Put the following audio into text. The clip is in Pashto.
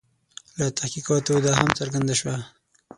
له تحقیقاتو دا هم څرګنده شوه.